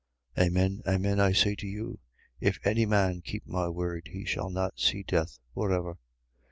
8:51. Amen, amen, I say to you: If any man keep my word, he shall not see death for ever.